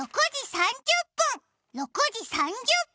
６時３０分！